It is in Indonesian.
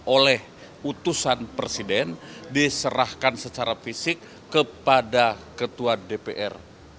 oleh utusan presiden diserahkan secara fisik kepada ketua dpr